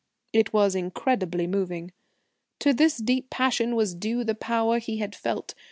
It was incredibly moving. To this deep passion was due the power he had felt.